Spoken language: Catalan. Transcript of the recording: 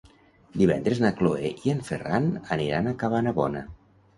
Divendres na Cloè i en Ferran aniran a Cabanabona.